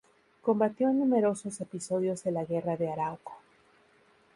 Combatió en numerosos episodios de la Guerra de Arauco.